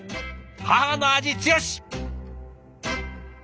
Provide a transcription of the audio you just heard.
母の味強し！